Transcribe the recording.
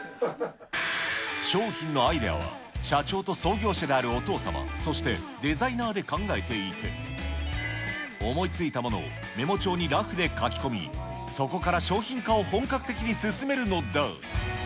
商品のアイデアは、社長と創業者であるお父様、そしてデザイナーで考えていて、思いついたものをメモ帳にラフで描き込み、そこから商品化を本格的に進めるのだ。